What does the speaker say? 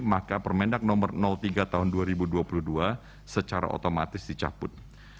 maka permendak nomor tiga tahun dua ribu dua puluh dua secara otomatis dicabut